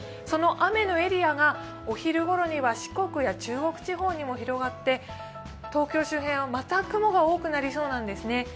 その雨のエリアがお昼ごろには四国や中国地方にも広がって東京周辺はまた雲が多くなりそうなんですね。